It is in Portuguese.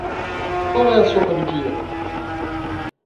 Qual é a sopa do dia?